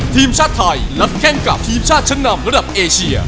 ทีมชาติไทยนัดแข้งกับทีมชาติชั้นนำระดับเอเชีย